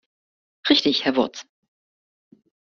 Richtig, Herr Wurtz.